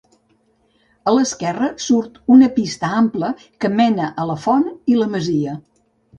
A l'esquerra surt una pista ampla que mena a la font i la masia.